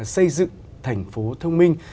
xây dựng thành phố thông minh